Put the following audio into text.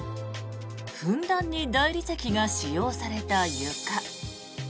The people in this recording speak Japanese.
ふんだんに大理石が使用された床。